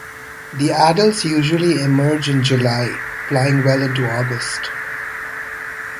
The adults usually emerge in July, flying well into August.